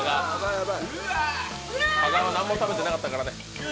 加賀は何も食べてなかったからね。